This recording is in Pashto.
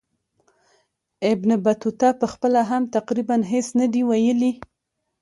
ابن بطوطه پخپله هم تقریبا هیڅ نه دي ویلي.